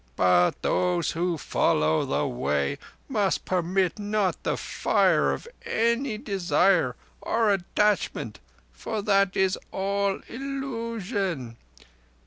But those who follow the Way must permit not the fire of any desire or attachment, for that is all Illusion.